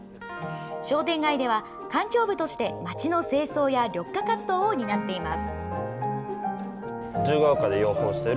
商店街では環境部として、街の清掃や緑化活動を担っています。